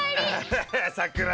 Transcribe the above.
ハッハさくら